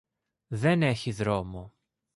Δεν έχει δρόμο.